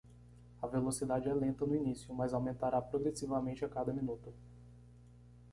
A velocidade é lenta no início, mas aumentará progressivamente a cada minuto.